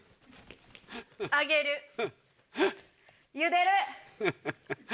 揚げる。ゆでる。